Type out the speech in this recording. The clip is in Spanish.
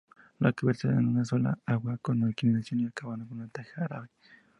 La cubierta es a una sola agua con inclinación y acabado en teja árabe.